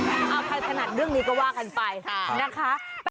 เอาใครถนัดเรื่องนี้ก็ว่ากันไปนะคะ